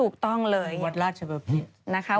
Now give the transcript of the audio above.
บทราชบพิตร